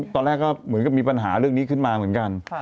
ตอนแรกก็เหมือนกับมีปัญหาเรื่องนี้ขึ้นมาเหมือนกัน